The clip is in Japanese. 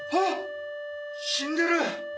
「死んでる」